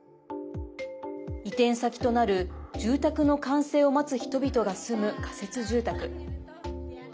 移転先となる、住宅の完成を待つ人々が住む仮設住宅。